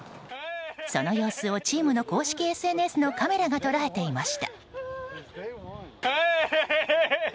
その様子をチームの公式ＳＮＳのカメラが捉えていました。